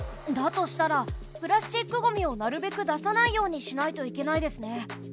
だとしたらプラスチックゴミをなるべく出さないようにしないといけないですね。